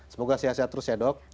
semoga sehat sehat terus ya dok